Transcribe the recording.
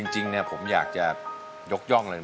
จริงผมอยากจะยกย่องเลย